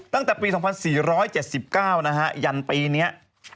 ตั้งแต่ปี๒๔๗๙นะฮะยันปีนี้